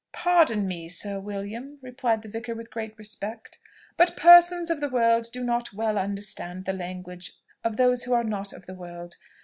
"Pardon me, Sir William," replied the vicar with great respect, "but persons of the world do not well understand the language of those who are not of the world.